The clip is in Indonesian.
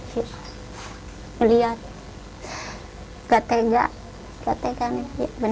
saya melihatnya tidak ketegangan